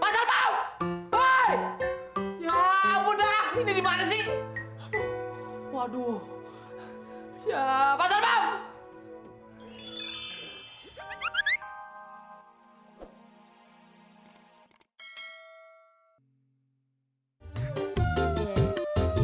cobalah kau untuk mengerti